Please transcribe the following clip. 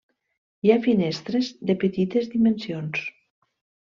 Hi ha finestres de petites dimensions.